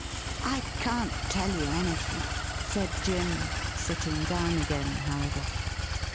' I can't tell you anything,' said Jim, sitting down again, however.